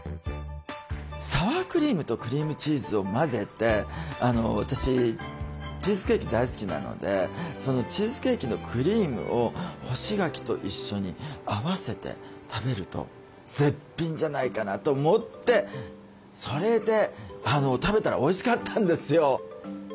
サワークリームとクリームチーズを混ぜて私チーズケーキ大好きなのでそのチーズケーキのクリームを干し柿と一緒に合わせて食べると絶品じゃないかなと思ってそれで食べたらおいしかったんですよ。